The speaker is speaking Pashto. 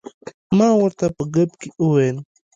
ما ورته په ګپ کې وویل.